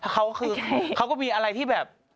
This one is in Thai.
เขาคือเขาก็มีอะไรที่แบบ